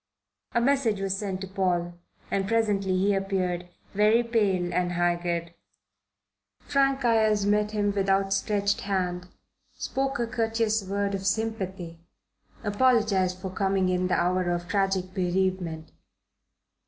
A message was sent to Paul, and presently he appeared, very pale and haggard. Frank Ayres met him with outstretched hand, spoke a courteous word of sympathy, apologized for coming in the hour of tragic bereavement.